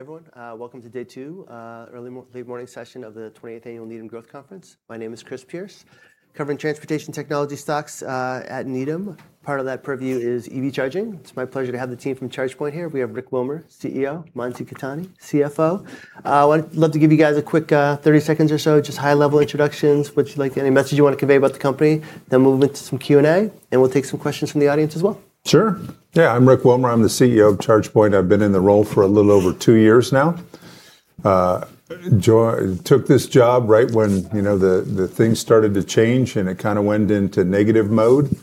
Everyone, welcome to day two, early morning session of the 28th Annual NEDM Growth Conference. My name is Chris Pierce, covering transportation technology stocks at NEDM. Part of that purview is EV charging. It's my pleasure to have the team from ChargePoint here. We have Rick Wilmer, CEO, Mansi Khetani, CFO. I'd love to give you guys a quick 30 seconds or so, just high-level introductions, what you like, any message you want to convey about the company, then move into some Q&A, and we'll take some questions from the audience as well. Sure. Yeah, I'm Rick Wilmer. I'm the CEO of ChargePoint. I've been in the role for a little over two years now. Took this job right when the things started to change, and it kind of went into negative mode.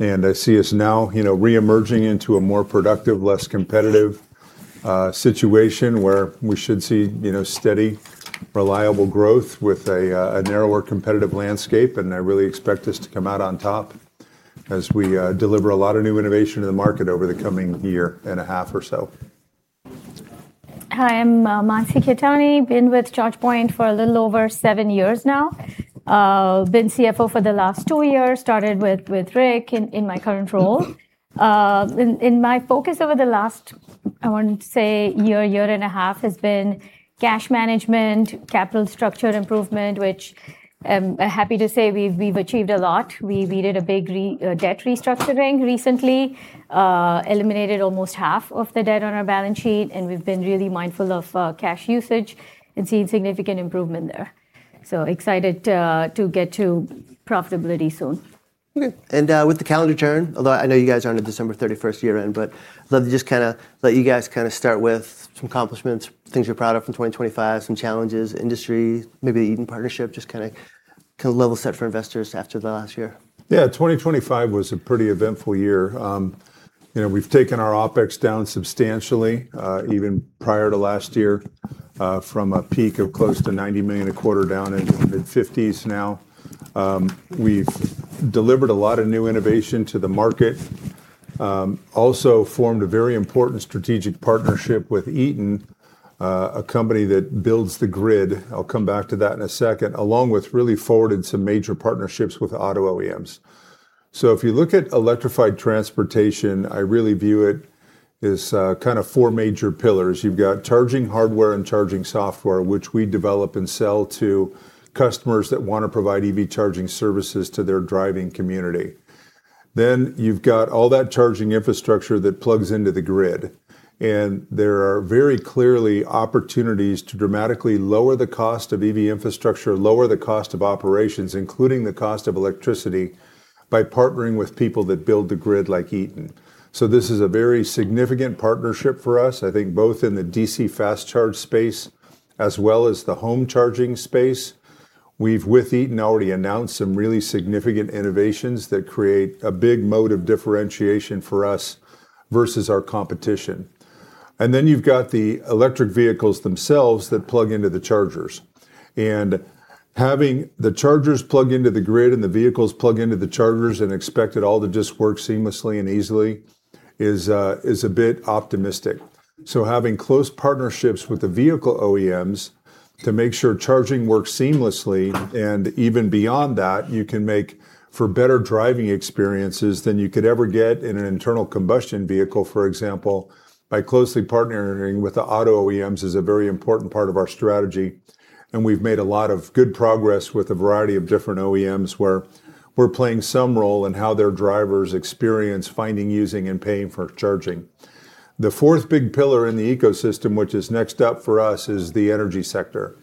And I see us now reemerging into a more productive, less competitive situation where we should see steady, reliable growth with a narrower competitive landscape. And I really expect us to come out on top as we deliver a lot of new innovation in the market over the coming year and a half or so. Hi, I'm Mansi Khetani. Been with ChargePoint for a little over seven years now. Been CFO for the last two years, started with Rick in my current role. And my focus over the last, I want to say, year, year and a half has been cash management, capital structure improvement, which I'm happy to say we've achieved a lot. We did a big debt restructuring recently, eliminated almost half of the debt on our balance sheet, and we've been really mindful of cash usage and seen significant improvement there. So excited to get to profitability soon. Okay. And with the calendar turn, although I know you guys are on a December 31st year-end, but I'd love to just kind of let you guys kind of start with some accomplishments, things you're proud of from 2025, some challenges, industry, maybe even partnership, just kind of level set for investors after the last year. Yeah, 2025 was a pretty eventful year. We've taken our OpEx down substantially, even prior to last year, from a peak of close to $90 million a quarter down into the mid-50s now. We've delivered a lot of new innovation to the market, also formed a very important strategic partnership with Eaton, a company that builds the grid. I'll come back to that in a second, along with really forwarded some major partnerships with auto OEMs. So if you look at electrified transportation, I really view it as kind of four major pillars. You've got charging hardware and charging software, which we develop and sell to customers that want to provide EV charging services to their driving community. Then you've got all that charging infrastructure that plugs into the grid. There are very clearly opportunities to dramatically lower the cost of EV infrastructure, lower the cost of operations, including the cost of electricity, by partnering with people that build the grid like Eaton. So this is a very significant partnership for us, I think, both in the DC fast charge space as well as the home charging space. We've, with Eaton, already announced some really significant innovations that create a big moat of differentiation for us versus our competition. And then you've got the electric vehicles themselves that plug into the chargers. And having the chargers plug into the grid and the vehicles plug into the chargers and expect it all to just work seamlessly and easily is a bit optimistic. Having close partnerships with the vehicle OEMs to make sure charging works seamlessly and even beyond that, you can make for better driving experiences than you could ever get in an internal combustion vehicle. For example, by closely partnering with the auto OEMs is a very important part of our strategy. We've made a lot of good progress with a variety of different OEMs where we're playing some role in how their drivers experience finding, using, and paying for charging. The fourth big pillar in the ecosystem, which is next up for us, is the energy sector.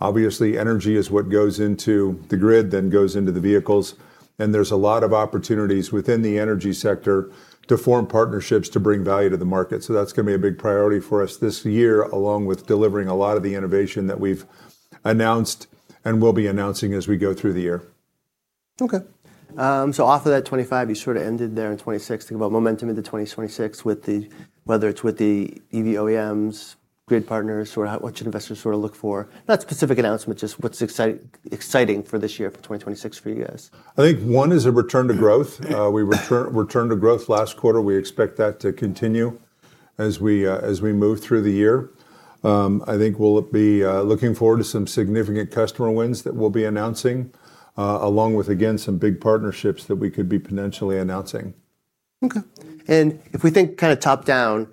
Obviously, energy is what goes into the grid, then goes into the vehicles. There's a lot of opportunities within the energy sector to form partnerships to bring value to the market. So that's going to be a big priority for us this year, along with delivering a lot of the innovation that we've announced and will be announcing as we go through the year. Okay. So off of that 2025, you sort of ended there in 2026, think about momentum into 2026, whether it's with the EV OEMs, grid partners, what should investors sort of look for? Not specific announcements, just what's exciting for this year, for 2026 for you guys. I think one is a return to growth. We returned to growth last quarter. We expect that to continue as we move through the year. I think we'll be looking forward to some significant customer wins that we'll be announcing, along with, again, some big partnerships that we could be potentially announcing. Okay. And if we think kind of top down,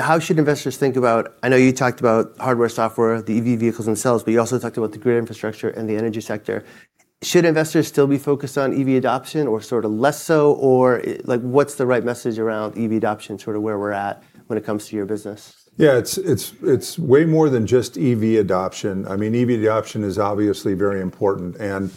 how should investors think about? I know you talked about hardware, software, the EV vehicles themselves, but you also talked about the grid infrastructure and the energy sector. Should investors still be focused on EV adoption or sort of less so, or what's the right message around EV adoption, sort of where we're at when it comes to your business? Yeah, it's way more than just EV adoption. I mean, EV adoption is obviously very important. And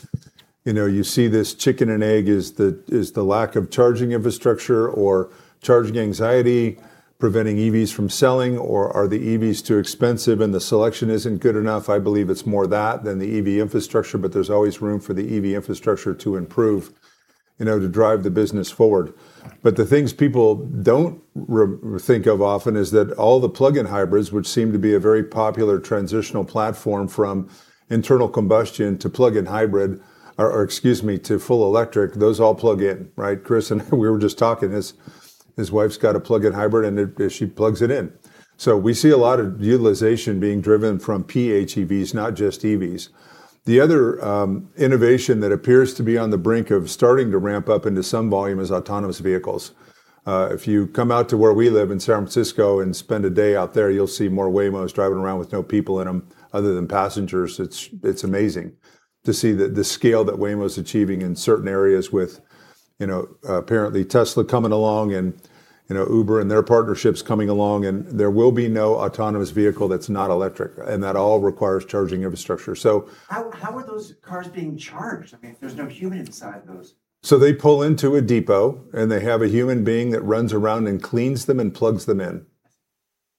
you see this chicken and egg is the lack of charging infrastructure or charging anxiety, preventing EVs from selling, or are the EVs too expensive and the selection isn't good enough? I believe it's more that than the EV infrastructure, but there's always room for the EV infrastructure to improve, to drive the business forward. But the things people don't think of often is that all the plug-in hybrids, which seem to be a very popular transitional platform from internal combustion to plug-in hybrid, or excuse me, to full electric, those all plug in, right? Chris, and we were just talking, his wife's got a plug-in hybrid and she plugs it in. So we see a lot of utilization being driven from PHEVs, not just EVs. The other innovation that appears to be on the brink of starting to ramp up into some volume is autonomous vehicles. If you come out to where we live in San Francisco and spend a day out there, you'll see more Waymos driving around with no people in them other than passengers. It's amazing to see the scale that Waymo is achieving in certain areas with apparently Tesla coming along and Uber and their partnerships coming along, and there will be no autonomous vehicle that's not electric, and that all requires charging infrastructure. How are those cars being charged? I mean, there's no human inside those. So they pull into a depot and they have a human being that runs around and cleans them and plugs them in.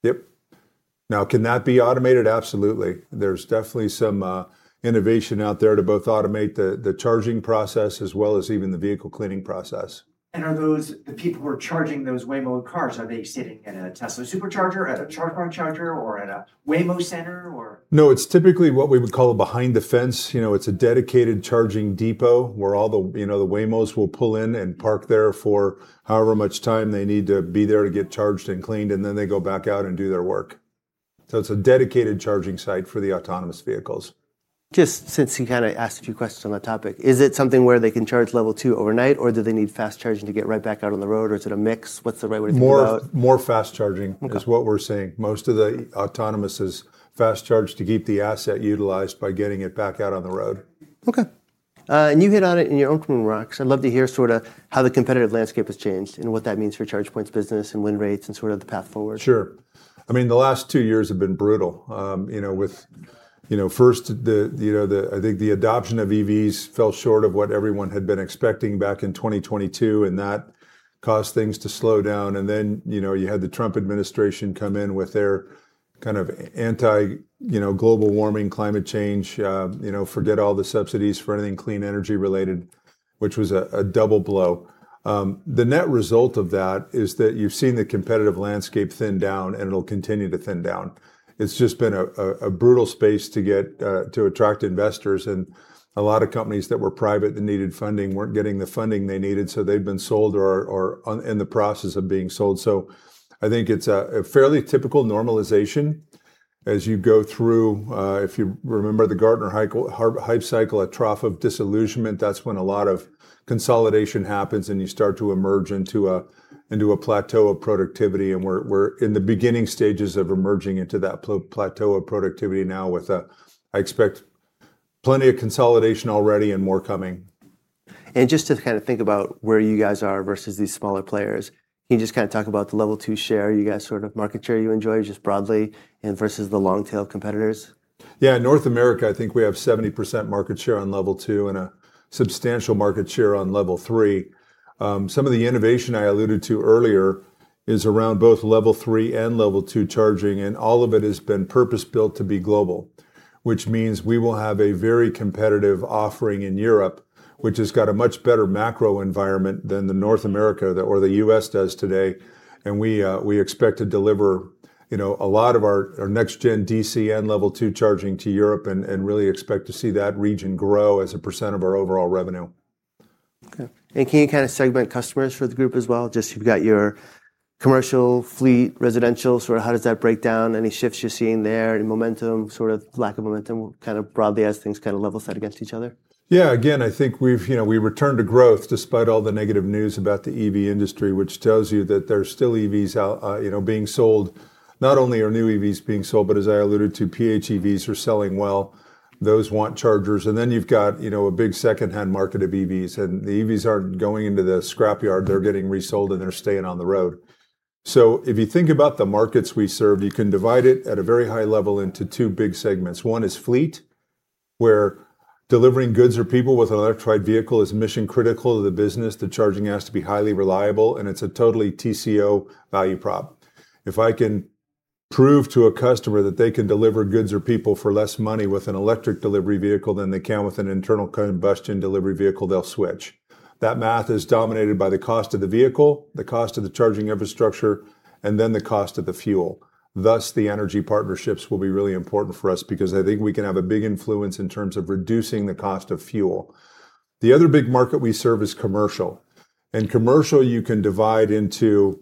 Yep. Now, can that be automated? Absolutely. There's definitely some innovation out there to both automate the charging process as well as even the vehicle cleaning process. Are those the people who are charging those Waymo cars, are they sitting at a Tesla Supercharger, at a ChargePoint charger, or at a Waymo center? No, it's typically what we would call a behind-the-fence. It's a dedicated charging depot where all the Waymos will pull in and park there for however much time they need to be there to get charged and cleaned, and then they go back out and do their work. So it's a dedicated charging site for the autonomous vehicles. Just since you kind of asked a few questions on that topic, is it something where they can charge Level 2 overnight, or do they need fast charging to get right back out on the road, or is it a mix? What's the right way to think about it? More fast charging is what we're seeing. Most of the autonomous is fast charged to keep the asset utilized by getting it back out on the road. Okay. You hit on it in your own words. I'd love to hear sort of how the competitive landscape has changed and what that means for ChargePoint's business and win rates and sort of the path forward. Sure. I mean, the last two years have been brutal. First, I think the adoption of EVs fell short of what everyone had been expecting back in 2022, and that caused things to slow down. And then you had the Trump administration come in with their kind of anti-global warming, climate change, forget all the subsidies for anything clean energy related, which was a double blow. The net result of that is that you've seen the competitive landscape thin down, and it'll continue to thin down. It's just been a brutal space to attract investors. And a lot of companies that were private that needed funding weren't getting the funding they needed, so they've been sold or in the process of being sold. So I think it's a fairly typical normalization as you go through, if you remember the Gartner Hype Cycle, a trough of disillusionment, that's when a lot of consolidation happens and you start to emerge into a plateau of productivity. And we're in the beginning stages of emerging into that plateau of productivity now with, I expect, plenty of consolidation already and more coming. Just to kind of think about where you guys are versus these smaller players, can you just kind of talk about the Level 2 share, you guys' sort of market share you enjoy just broadly and versus the long-tail competitors? Yeah, in North America, I think we have 70% market share on Level 2 and a substantial market share on Level 3. Some of the innovation I alluded to earlier is around both Level 3 and Level 2 charging, and all of it has been purpose-built to be global, which means we will have a very competitive offering in Europe, which has got a much better macro environment than North America or the U.S. does today, and we expect to deliver a lot of our next-gen DC and Level 2 charging to Europe and really expect to see that region grow as a percent of our overall revenue. Okay. And can you kind of segment customers for the group as well? Just you've got your commercial, fleet, residential, sort of how does that break down? Any shifts you're seeing there? Any momentum, sort of lack of momentum, kind of broadly as things kind of level set against each other? Yeah, again, I think we've returned to growth despite all the negative news about the EV industry, which tells you that there's still EVs being sold. Not only are new EVs being sold, but as I alluded to, PHEVs are selling well. Those want chargers. And then you've got a big second-hand market of EVs, and the EVs aren't going into the scrapyard. They're getting resold and they're staying on the road. So if you think about the markets we serve, you can divide it at a very high level into two big segments. One is fleet, where delivering goods or people with an electric vehicle is mission-critical to the business, the charging has to be highly reliable, and it's a totally TCO value prop. If I can prove to a customer that they can deliver goods or people for less money with an electric delivery vehicle than they can with an internal combustion delivery vehicle, they'll switch. That math is dominated by the cost of the vehicle, the cost of the charging infrastructure, and then the cost of the fuel. Thus, the energy partnerships will be really important for us because I think we can have a big influence in terms of reducing the cost of fuel. The other big market we serve is commercial, and commercial, you can divide into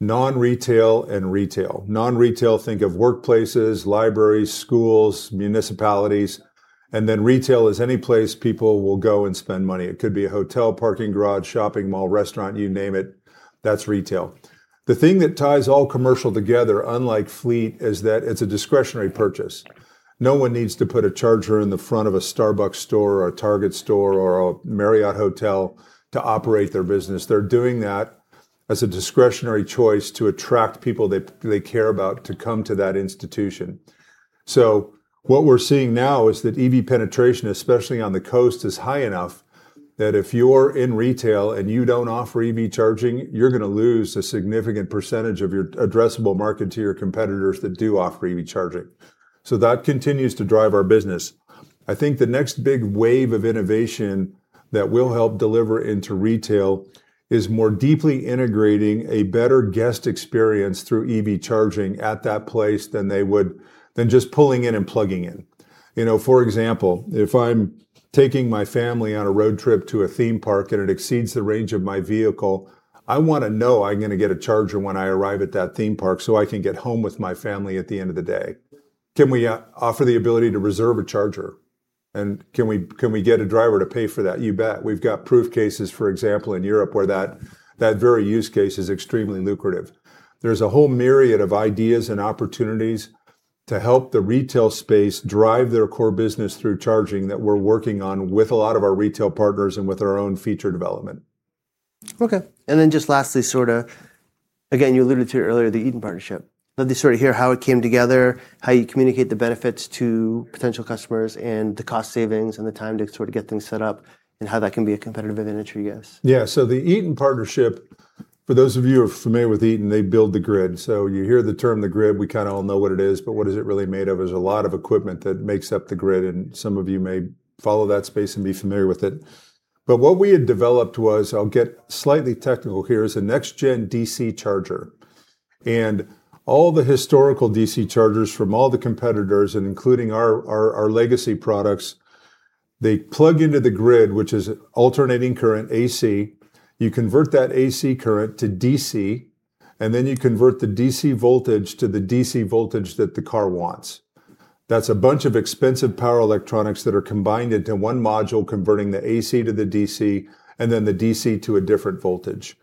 non-retail and retail. Non-retail, think of workplaces, libraries, schools, municipalities, and then retail is any place people will go and spend money. It could be a hotel, parking garage, shopping mall, restaurant, you name it. That's retail. The thing that ties all commercial together, unlike fleet, is that it's a discretionary purchase. No one needs to put a charger in the front of a Starbucks store or a Target store or a Marriott hotel to operate their business. They're doing that as a discretionary choice to attract people they care about to come to that institution. So what we're seeing now is that EV penetration, especially on the coast, is high enough that if you're in retail and you don't offer EV charging, you're going to lose a significant percentage of your addressable market to your competitors that do offer EV charging. So that continues to drive our business. I think the next big wave of innovation that will help deliver into retail is more deeply integrating a better guest experience through EV charging at that place than just pulling in and plugging in. For example, if I'm taking my family on a road trip to a theme park and it exceeds the range of my vehicle, I want to know I'm going to get a charger when I arrive at that theme park so I can get home with my family at the end of the day. Can we offer the ability to reserve a charger? And can we get a driver to pay for that? You bet. We've got proof cases, for example, in Europe where that very use case is extremely lucrative. There's a whole myriad of ideas and opportunities to help the retail space drive their core business through charging that we're working on with a lot of our retail partners and with our own feature development. Okay. And then just lastly, sort of again, you alluded to it earlier, the Eaton partnership. I'd love to sort of hear how it came together, how you communicate the benefits to potential customers and the cost savings and the time to sort of get things set up and how that can be a competitive advantage for you guys? Yeah. So the Eaton partnership, for those of you who are familiar with Eaton, they build the grid. So you hear the term the grid, we kind of all know what it is, but what is it really made of? There's a lot of equipment that makes up the grid, and some of you may follow that space and be familiar with it. But what we had developed was, I'll get slightly technical here, is a next-gen DC charger. And all the historical DC chargers from all the competitors, including our legacy products, they plug into the grid, which is alternating current AC. You convert that AC current to DC, and then you convert the DC voltage to the DC voltage that the car wants. That's a bunch of expensive power electronics that are combined into one module, converting the AC to the DC and then the DC to a different voltage.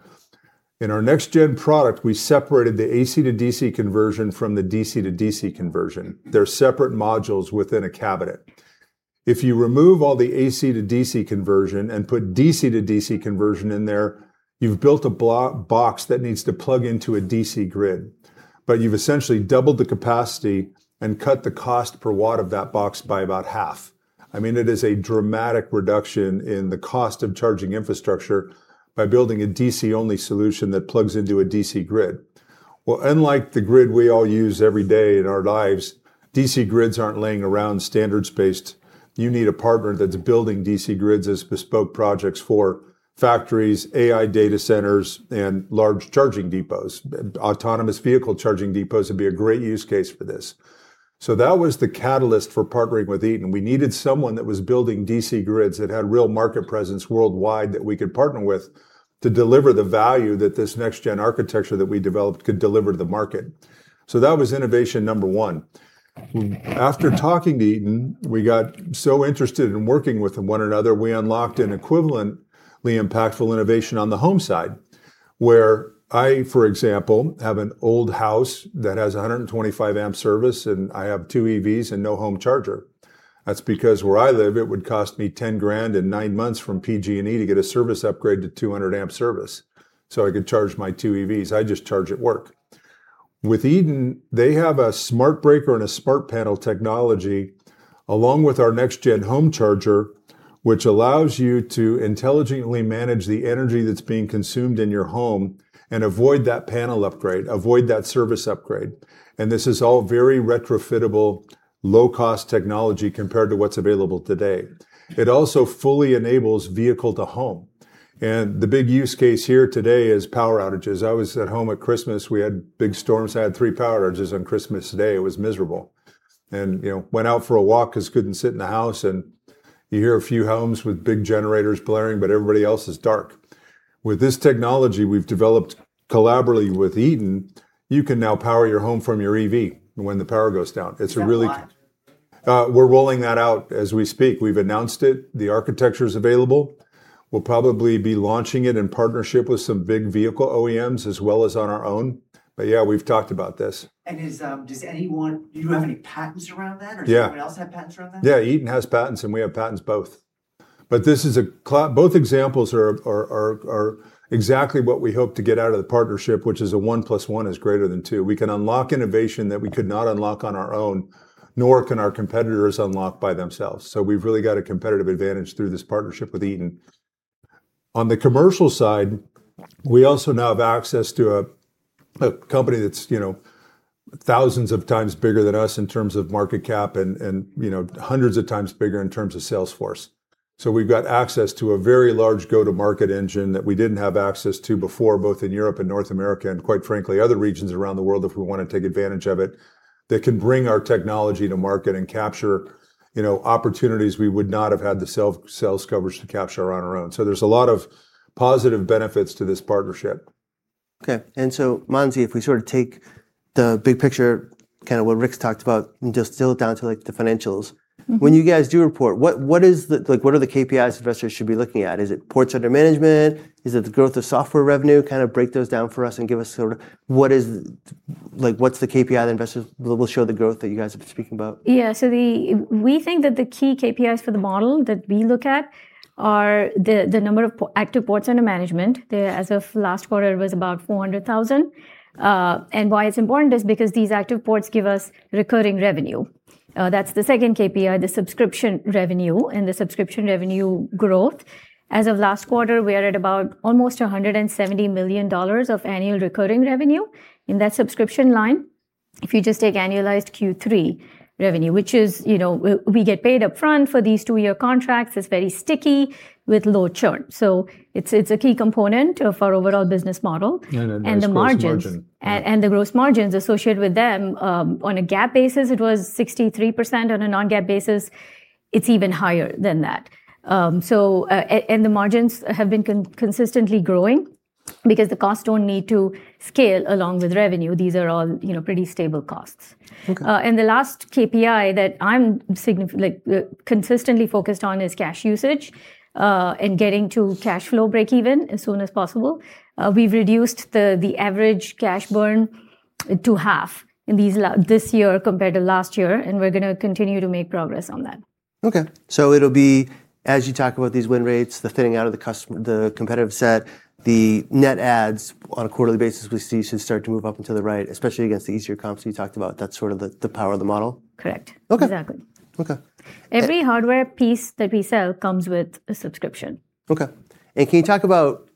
In our next-gen product, we separated the AC to DC conversion from the DC to DC conversion. They're separate modules within a cabinet. If you remove all the AC to DC conversion and put DC to DC conversion in there, you've built a box that needs to plug into a DC grid, but you've essentially doubled the capacity and cut the cost per watt of that box by about half. I mean, it is a dramatic reduction in the cost of charging infrastructure by building a DC-only solution that plugs into a DC grid. Well, unlike the grid we all use every day in our lives, DC grids aren't lying around standards-based. You need a partner that's building DC grids as bespoke projects for factories, AI data centers, and large charging depots. Autonomous vehicle charging depots would be a great use case for this. So that was the catalyst for partnering with Eaton. We needed someone that was building DC grids that had real market presence worldwide that we could partner with to deliver the value that this next-gen architecture that we developed could deliver to the market. So that was innovation number one. After talking to Eaton, we got so interested in working with one another, we unlocked an equivalently impactful innovation on the home side, where I, for example, have an old house that has 125-amp service, and I have two EVs and no home charger. That's because where I live, it would cost me $10,000 in nine months from PG&E to get a service upgrade to 200 amp service so I could charge my two EVs. I just charge at work. With Eaton, they have a Smart Breaker and a smart panel technology along with our next-gen home charger, which allows you to intelligently manage the energy that's being consumed in your home and avoid that panel upgrade, avoid that service upgrade. And this is all very retrofittable, low-cost technology compared to what's available today. It also fully enables Vehicle to Home. And the big use case here today is power outages. I was at home at Christmas. We had big storms. I had three power outages on Christmas Day. It was miserable. And went out for a walk because I couldn't sit in the house, and you hear a few homes with big generators blaring, but everybody else is dark. With this technology we've developed collaboratively with Eaton, you can now power your home from your EV when the power goes down. It's a really cool thing. We're rolling that out as we speak. We've announced it. The architecture is available. We'll probably be launching it in partnership with some big vehicle OEMs as well as on our own. But yeah, we've talked about this. Do you have any patents around that? Or does anyone else have patents around that? Yeah, Eaton has patents and we have patents, both. But these are both examples of exactly what we hope to get out of the partnership, which is one plus one is greater than two. We can unlock innovation that we could not unlock on our own, nor can our competitors unlock by themselves. So we've really got a competitive advantage through this partnership with Eaton. On the commercial side, we also now have access to a company that's thousands of times bigger than us in terms of market cap and hundreds of times bigger in terms of sales force. So we've got access to a very large go-to-market engine that we didn't have access to before, both in Europe and North America and, quite frankly, other regions around the world if we want to take advantage of it, that can bring our technology to market and capture opportunities we would not have had the sales coverage to capture on our own. So there's a lot of positive benefits to this partnership. Okay, and so, Mansi, if we sort of take the big picture, kind of what Rick's talked about, and just drill down to the financials, when you guys do report, what are the KPIs investors should be looking at? Is it ports under management? Is it the growth of software revenue? Kind of break those down for us and give us sort of what's the KPI the investors will show the growth that you guys have been speaking about? Yeah. So we think that the key KPIs for the model that we look at are the number of active ports under management. As of last quarter, it was about 400,000. And why it's important is because these active ports give us recurring revenue. That's the second KPI, the subscription revenue and the subscription revenue growth. As of last quarter, we are at about almost $170 million of annual recurring revenue in that subscription line. If you just take annualized Q3 revenue, which is, we get paid upfront for these two-year contracts, it's very sticky with low churn. So it's a key component of our overall business model. No, no, no. The margins and the gross margins associated with them. On a GAAP basis, it was 63%. On a non-GAAP basis, it's even higher than that. The margins have been consistently growing because the costs don't need to scale along with revenue. These are all pretty stable costs. The last KPI that I'm consistently focused on is cash usage and getting to cash flow break-even as soon as possible. We've reduced the average cash burn to half this year compared to last year, and we're going to continue to make progress on that. Okay. So it'll be, as you talk about these win rates, the fitting out of the competitive set, the net adds on a quarterly basis we see should start to move up and to the right, especially against the easier comps we talked about. That's sort of the power of the model. Correct. Exactly. Okay. Every hardware piece that we sell comes with a subscription. Okay. And can you talk about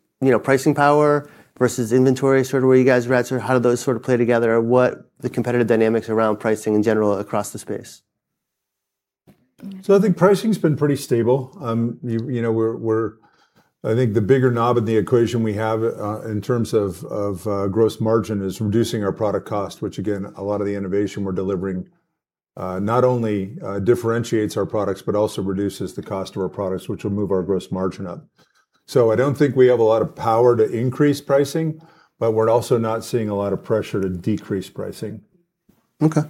pricing power versus inventory sort of where you guys are at? So how do those sort of play together? What are the competitive dynamics around pricing in general across the space? So I think pricing has been pretty stable. I think the bigger knob in the equation we have in terms of gross margin is reducing our product cost, which, again, a lot of the innovation we're delivering not only differentiates our products, but also reduces the cost of our products, which will move our gross margin up. So I don't think we have a lot of power to increase pricing, but we're also not seeing a lot of pressure to decrease pricing. Okay.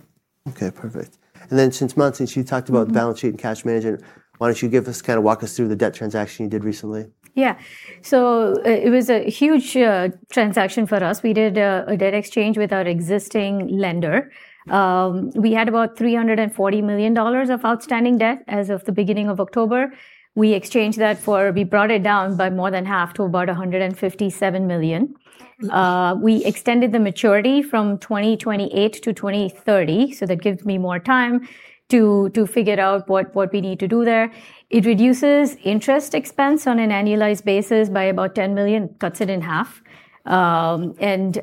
Perfect. And then, since Mansi, you talked about balance sheet and cash management, why don't you kind of walk us through the debt transaction you did recently? Yeah, so it was a huge transaction for us. We did a debt exchange with our existing lender. We had about $340 million of outstanding debt as of the beginning of October. We exchanged that. We brought it down by more than half to about $157 million. We extended the maturity from 2028 to 2030. So that gives me more time to figure out what we need to do there. It reduces interest expense on an annualized basis by about $10 million, cuts it in half, and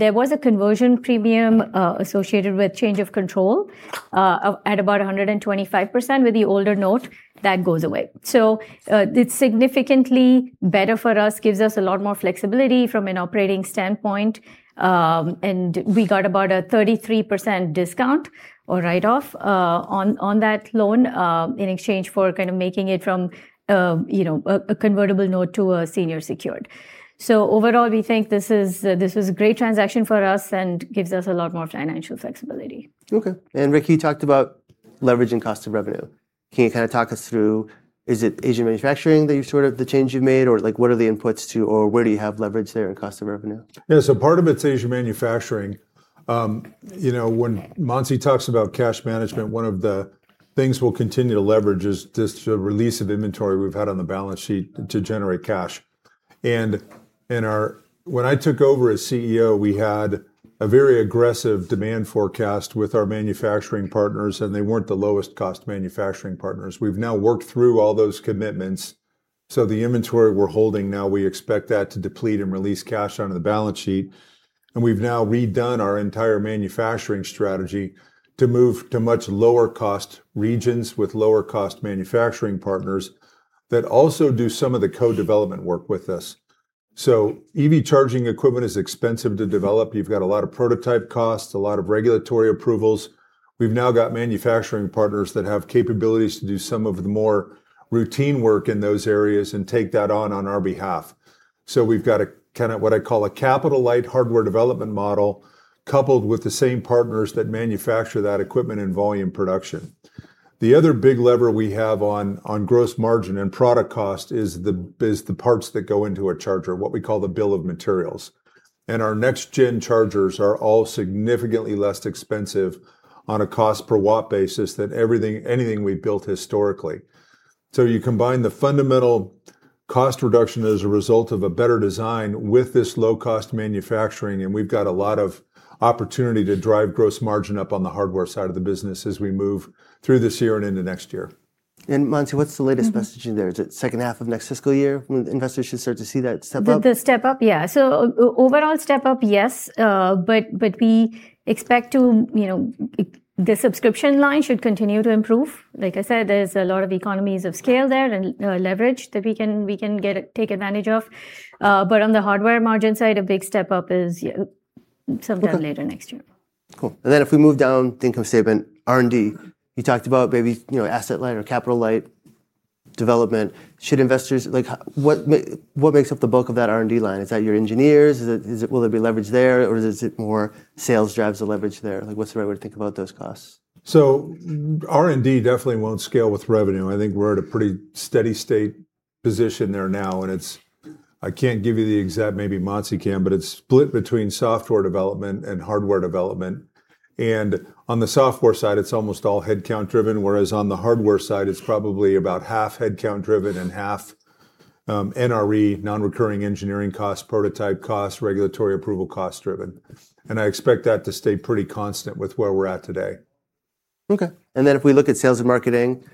there was a conversion premium associated with change of control at about 125% with the older note. That goes away, so it's significantly better for us, gives us a lot more flexibility from an operating standpoint. And we got about a 33% discount or write-off on that loan in exchange for kind of making it from a convertible note to a senior secured. So overall, we think this was a great transaction for us and gives us a lot more financial flexibility. Okay. And Rick, you talked about leveraging cost of revenue. Can you kind of talk us through, is it Asian manufacturing that you've sort of the change you've made? Or what are the inputs to or where do you have leverage there in cost of revenue? Yeah. So part of it's Asian manufacturing. When Mansi talks about cash management, one of the things we'll continue to leverage is just the release of inventory we've had on the balance sheet to generate cash. And when I took over as CEO, we had a very aggressive demand forecast with our manufacturing partners, and they weren't the lowest cost manufacturing partners. We've now worked through all those commitments. So the inventory we're holding now, we expect that to deplete and release cash on the balance sheet. And we've now redone our entire manufacturing strategy to move to much lower cost regions with lower cost manufacturing partners that also do some of the co-development work with us. So EV charging equipment is expensive to develop. You've got a lot of prototype costs, a lot of regulatory approvals. We've now got manufacturing partners that have capabilities to do some of the more routine work in those areas and take that on our behalf, so we've got kind of what I call a capital light hardware development model coupled with the same partners that manufacture that equipment in volume production. The other big lever we have on gross margin and product cost is the parts that go into a charger, what we call the bill of materials, and our next-gen chargers are all significantly less expensive on a cost per watt basis than anything we've built historically, so you combine the fundamental cost reduction as a result of a better design with this low cost manufacturing, and we've got a lot of opportunity to drive gross margin up on the hardware side of the business as we move through this year and into next year. Mansi, what's the latest messaging there? Is it second half of next fiscal year when investors should start to see that step up? With the step up, yeah. So overall step up, yes. But we expect the subscription line should continue to improve. Like I said, there's a lot of economies of scale there and leverage that we can take advantage of. But on the hardware margin side, a big step up is sometime later next year. Cool. And then if we move down income statement, R&D, you talked about maybe asset light or capital light development. Should investors what makes up the bulk of that R&D line? Is that your engineers? Will there be leverage there? Or is it more sales drives the leverage there? What's the right way to think about those costs? R&D definitely won't scale with revenue. I think we're at a pretty steady state position there now. I can't give you the exact, maybe Mansi can, but it's split between software development and hardware development. On the software side, it's almost all headcount driven, whereas on the hardware side, it's probably about half headcount driven and half NRE, non-recurring engineering cost, prototype cost, regulatory approval cost driven. I expect that to stay pretty constant with where we're at today. Okay. And then if we look at sales and marketing,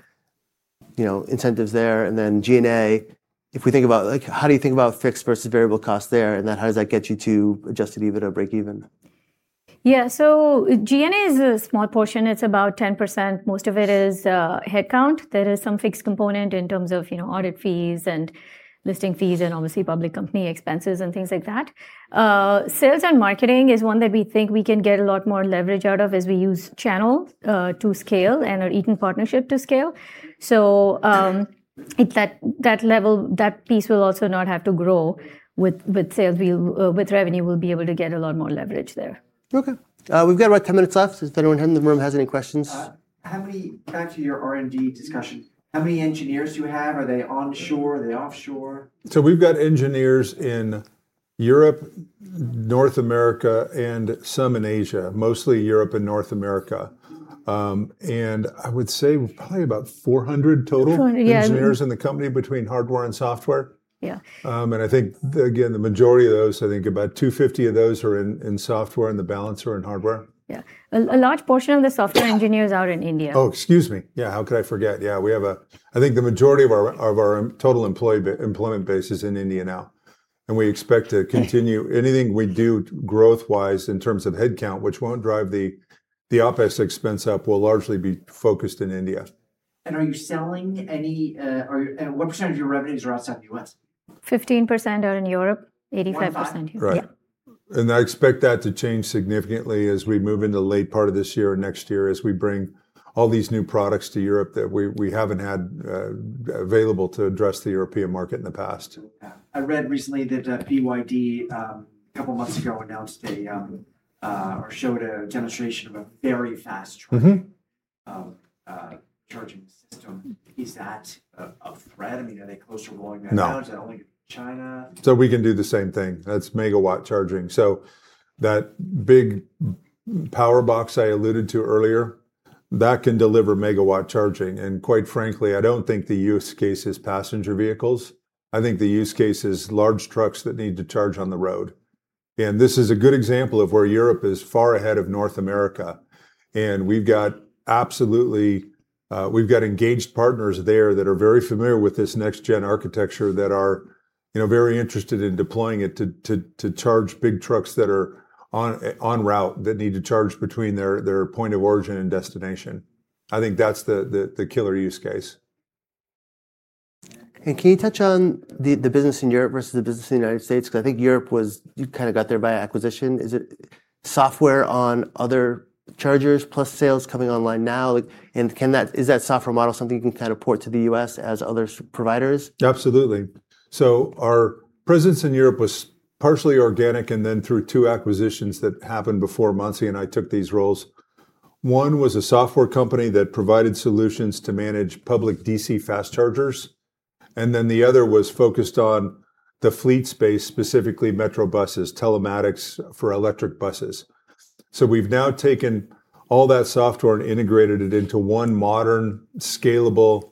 incentives there, and then G&A, if we think about how do you think about fixed versus variable costs there? And how does that get you to Adjusted EBITDA break-even? Yeah. So G&A is a small portion. It's about 10%. Most of it is headcount. There is some fixed component in terms of audit fees and listing fees and obviously public company expenses and things like that. Sales and marketing is one that we think we can get a lot more leverage out of as we use channel to scale and our Eaton partnership to scale. So that piece will also not have to grow with sales. With revenue, we'll be able to get a lot more leverage there. Okay. We've got about 10 minutes left. If anyone in the room has any questions. Going back to your R&D discussion. How many engineers do you have? Are they onshore? Are they offshore? We've got engineers in Europe, North America, and some in Asia, mostly Europe and North America. I would say probably about 400 total engineers in the company between hardware and software. I think, again, the majority of those, I think about 250 of those are in software and the balance are in hardware. Yeah. A large portion of the software engineers are in India. Oh, excuse me. Yeah. How could I forget? Yeah. I think the majority of our total employment base is in India now, and we expect to continue anything we do growth-wise in terms of headcount, which won't drive the OpEx expense up, will largely be focused in India. Are you selling any? What percentage of your revenues are outside the U.S.? 15% are in Europe, 85% here. I expect that to change significantly as we move into the late part of this year or next year as we bring all these new products to Europe that we haven't had available to address the European market in the past. I read recently that BYD, a couple of months ago, announced or showed a demonstration of a very fast charging system. Is that a threat? I mean, are they close to rolling that out? Is that only going to China? So we can do the same thing. That's megawatt charging. So that big power box I alluded to earlier, that can deliver megawatt charging. And quite frankly, I don't think the use case is passenger vehicles. I think the use case is large trucks that need to charge on the road. And this is a good example of where Europe is far ahead of North America. And we've got engaged partners there that are very familiar with this next-gen architecture that are very interested in deploying it to charge big trucks that are en route that need to charge between their point of origin and destination. I think that's the killer use case. Can you touch on the business in Europe versus the business in the United States? Because I think Europe was you kind of got there by acquisition. Is it software on other chargers plus sales coming online now? Is that software model something you can kind of port to the U.S. as other providers? Absolutely. So our presence in Europe was partially organic and then through two acquisitions that happened before Mansi and I took these roles. One was a software company that provided solutions to manage public DC fast chargers. And then the other was focused on the fleet space, specifically metro buses, telematics for electric buses. So we've now taken all that software and integrated it into one modern, scalable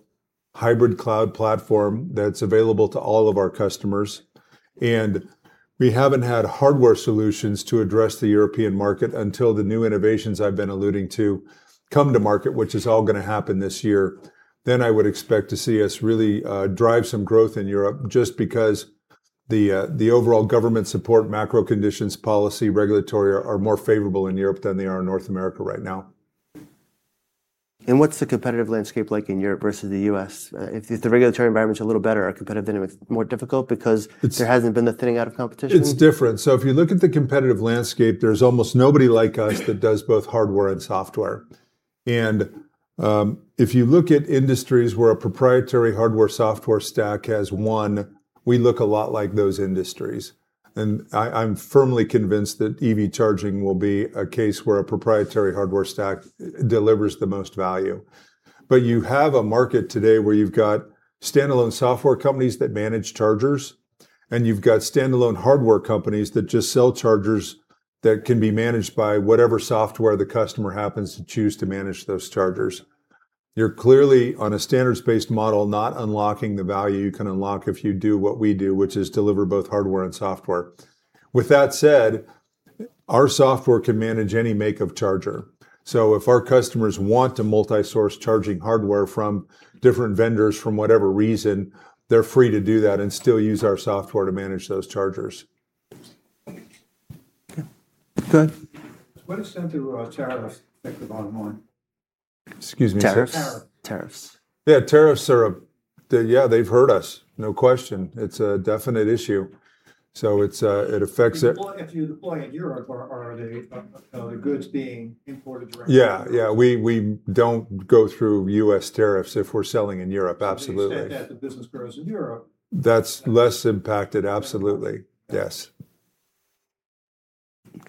hybrid cloud platform that's available to all of our customers. And we haven't had hardware solutions to address the European market until the new innovations I've been alluding to come to market, which is all going to happen this year. Then I would expect to see us really drive some growth in Europe just because the overall government support, macro conditions, policy, regulatory are more favorable in Europe than they are in North America right now. What's the competitive landscape like in Europe versus the U.S.? If the regulatory environment's a little better, are competitive dynamics more difficult because there hasn't been the thinning out of competition? It's different, so if you look at the competitive landscape, there's almost nobody like us that does both hardware and software and if you look at industries where a proprietary hardware software stack has won, we look a lot like those industries and I'm firmly convinced that EV charging will be a case where a proprietary hardware stack delivers the most value but you have a market today where you've got standalone software companies that manage chargers, and you've got standalone hardware companies that just sell chargers that can be managed by whatever software the customer happens to choose to manage those chargers. You're clearly on a standards-based model, not unlocking the value you can unlock if you do what we do, which is deliver both hardware and software. With that said, our software can manage any make of charger. So if our customers want to multi-source charging hardware from different vendors for whatever reason, they're free to do that and still use our software to manage those chargers. Okay. Go ahead. To what extent do tariffs affect the bottom line? Excuse me. Tariffs. Tariffs. Yeah. Tariffs are, yeah, they've hurt us, no question. It's a definite issue, so it affects it. If you deploy in Europe, are the goods being imported directly? Yeah. Yeah. We don't go through U.S. tariffs if we're selling in Europe. Absolutely. If you expect that the business grows in Europe. That's less impacted. Absolutely. Yes.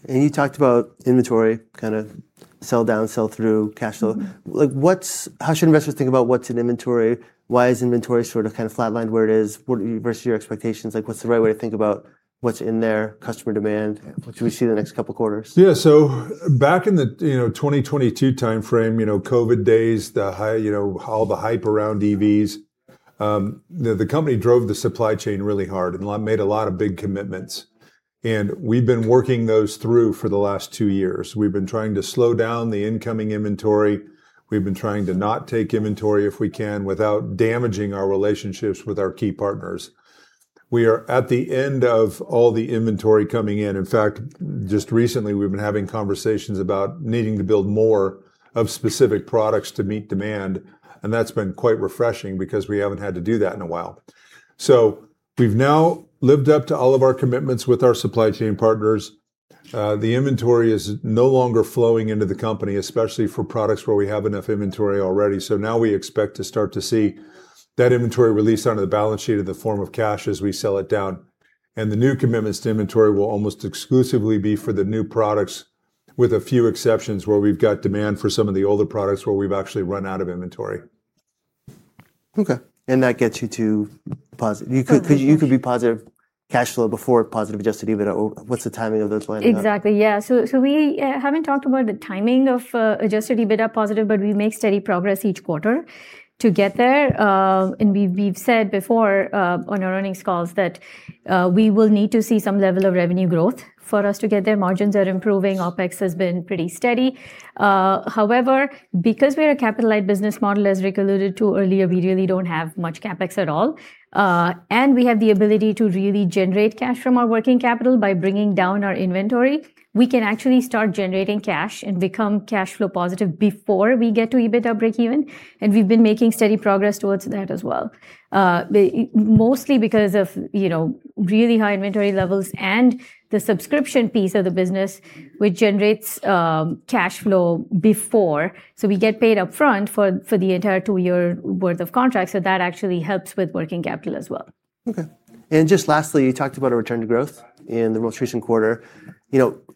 And you talked about inventory, kind of sell down, sell through, cash flow. How should investors think about what's in inventory? Why is inventory sort of kind of flatlined where it is versus your expectations? What's the right way to think about what's in there, customer demand? What should we see the next couple of quarters? Yeah. So back in the 2022 timeframe, COVID days, all the hype around EVs, the company drove the supply chain really hard and made a lot of big commitments. And we've been working those through for the last two years. We've been trying to slow down the incoming inventory. We've been trying to not take inventory if we can without damaging our relationships with our key partners. We are at the end of all the inventory coming in. In fact, just recently, we've been having conversations about needing to build more of specific products to meet demand. And that's been quite refreshing because we haven't had to do that in a while. So we've now lived up to all of our commitments with our supply chain partners. The inventory is no longer flowing into the company, especially for products where we have enough inventory already. So now we expect to start to see that inventory released onto the balance sheet in the form of cash as we sell it down. And the new commitments to inventory will almost exclusively be for the new products, with a few exceptions where we've got demand for some of the older products where we've actually run out of inventory. Okay. And that gets you to positive you could be positive cash flow before positive Adjusted EBITDA. What's the timing of those lines? Exactly. Yeah. So we haven't talked about the timing of Adjusted EBITDA positive, but we make steady progress each quarter to get there. And we've said before on our earnings calls that we will need to see some level of revenue growth for us to get there. Margins are improving. OpEx has been pretty steady. However, because we are a capital light business model, as Rick alluded to earlier, we really don't have much CapEx at all. And we have the ability to really generate cash from our working capital by bringing down our inventory. We can actually start generating cash and become cash flow positive before we get to EBITDA break-even. And we've been making steady progress towards that as well, mostly because of really high inventory levels and the subscription piece of the business, which generates cash flow before. So we get paid upfront for the entire two-year worth of contracts. So that actually helps with working capital as well. Okay. And just lastly, you talked about a return to growth in the most recent quarter.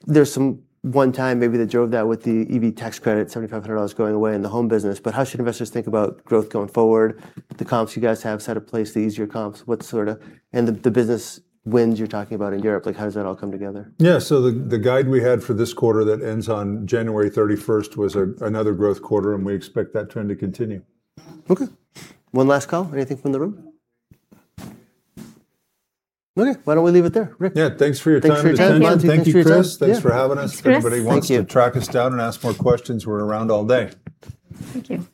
There's some one-time maybe that drove that with the EV tax credit, $7,500 going away in the home business. But how should investors think about growth going forward? The comps you guys have set in place, the easier comps, what sort of, and the business wins you're talking about in Europe? How does that all come together? Yeah, so the guide we had for this quarter that ends on January 31st was another growth quarter, and we expect that trend to continue. Okay. One last call. Anything from the room? Okay. Why don't we leave it there? Rick. Yeah. Thanks for your time. Thanks for your time, Mansi. Thanks, Chris. Thanks for having us. If anybody wants to track us down and ask more questions, we're around all day. Thank you.